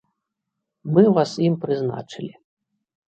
Мы вас ім прызначылі.